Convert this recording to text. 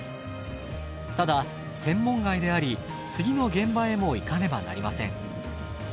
ただ専門外であり次の現場へも行かねばなりません。